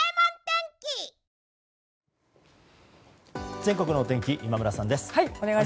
全国の天気今村さんです。